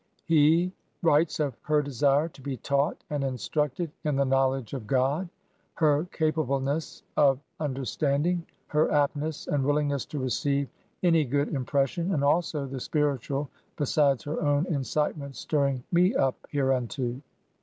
He writes of *^her desire to be taught and instructed in the knowledge of God; her capableness of imder standing; her aptnesse and willingnesse to recieve anie good impression, and also the spiritual, besides her owne incitements stirring me up hereunto."